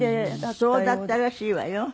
そうだったらしいわよ。